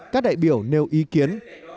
các đại biểu nêu ý kiến